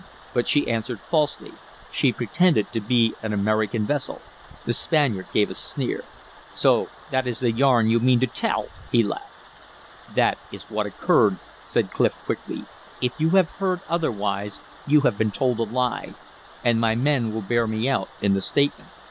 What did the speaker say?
But she answered falsely. She pretended to be an American vessel " The Spaniard gave a sneer. "So that is the yarn you mean to tell," he laughed. "That is what occurred," said Clif, quickly. "If you have heard otherwise you have been told a lie. And my men will bear me out in the statement."